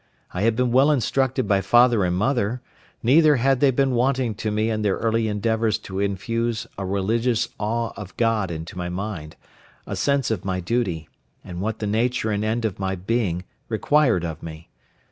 I had been well instructed by father and mother; neither had they been wanting to me in their early endeavours to infuse a religious awe of God into my mind, a sense of my duty, and what the nature and end of my being required of me.